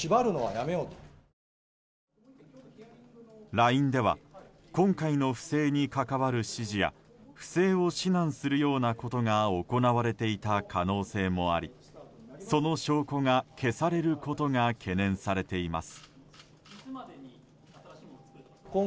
ＬＩＮＥでは今回の不正に関わる指示や不正を指南するようなことが行われていた可能性もありその証拠が消されることが懸念されています。